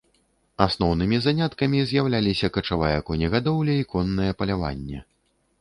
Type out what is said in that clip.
Асноўнымі заняткамі з'яўляліся качавая конегадоўля і коннае паляванне.